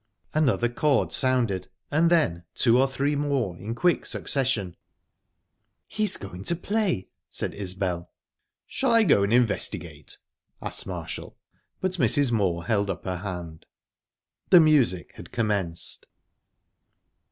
Another chord sounded, and then two or three more in quick succession. "He's going to play," said Isbel. "Shall I go and investigate?" asked Marshall; but Mrs. Moor held up her hand. The music had commenced.